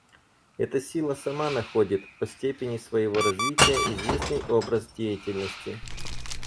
Эта сила сама находит, по степени своего развития, известный образ деятельности.